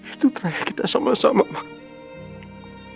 itu terakhir kita sama sama makan